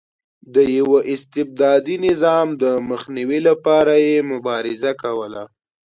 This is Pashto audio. د یوه استبدادي نظام د مخنیوي لپاره یې مبارزه کوله.